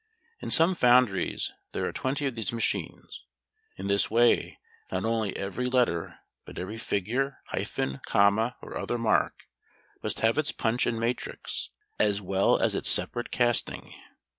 In some foundries there are twenty of these machines. In this way not only every letter, but every figure, hyphen, comma, or other mark, must have its punch and matrix, as well as its separate casting.